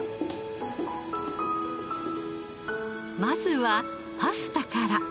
まずはパスタから。